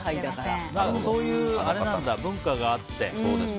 そういう文化があって。